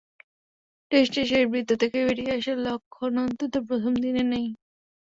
টেস্টে সেই বৃত্ত থেকে বেরিয়ে আসার লক্ষণ অন্তত প্রথম দিনে নেই।